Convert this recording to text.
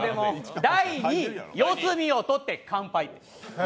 第２位、四隅をとって完敗。